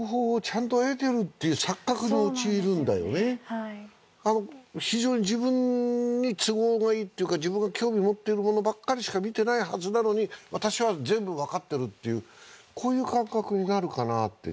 はい非常に自分に都合のいいというか自分が興味持ってるものばっかりしか見てないはずなのに私は全部分かってるっていうこういう感覚になるかなって